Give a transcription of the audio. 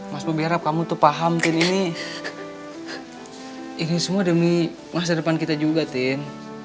mas bobi harap kamu tuh paham tin ini ini semua demi masa depan kita juga tim